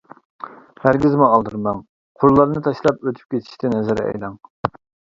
ھەرگىزمۇ ئالدىرىماڭ، قۇرلارنى تاشلاپ ئۆتۈپ كېتىشتىن ھەزەر ئەيلەڭ.